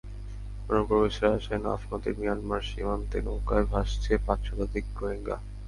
অনুপ্রবেশের আশায় নাফ নদীর মিয়ানমার সীমান্তে নৌকায় ভাসছে পাঁচ শতাধিক রোহিঙ্গা।